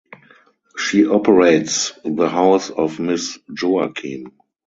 She operates the House of Miss Joaquim.